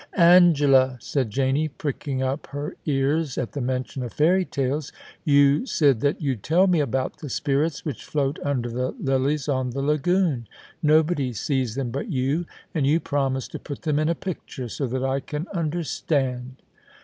* Angela !' said Janie, pricking up her ears at the mention of fairy tales, * you said that you'd tell me about the spirits which float under the lilies on the lagoon. Nobody sees them but you, and you promised to put them in a picture, so that I can understand.'